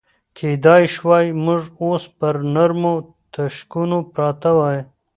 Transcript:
کېدای شوای موږ اوس پر نرمو تشکونو پراته وای.